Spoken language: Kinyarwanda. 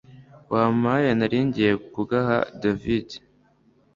wampaye naringiye kugaha david